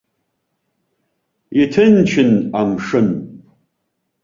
Иҭынчын амшын.